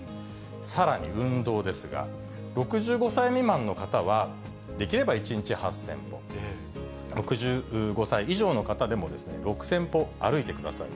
さらに運動ですが、６５歳未満の方は、出来れば１日８０００歩、６５歳以上の方でも６０００歩歩いてください。